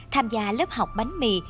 tham gia lớp học bánh mì